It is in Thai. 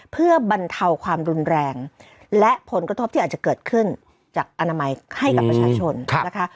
เพื่อบรรเทาความรุนแรงและผลกระทบที่อาจจะเกิดขึ้นจากอนามัยให้กับประชาชนนะคะ